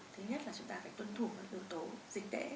thứ nhất là chúng ta phải tuân thủ các yếu tố dịch tễ